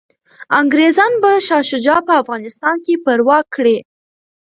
انګریزان به شاه شجاع په افغانستان کي پرواک کړي.